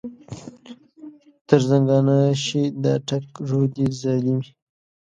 تر زنګانه شې د اټک رودې ظالمې.